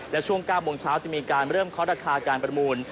และช่วง๙โมงเช้าจะมีการเริ่มเคาะราคาการประมูล